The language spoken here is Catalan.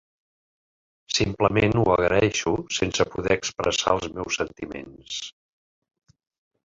Simplement ho agraeixo sense poder expressar els meus sentiments.